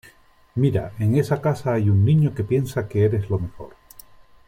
Mira , en esa casa hay un niño que piensa que eres lo mejor .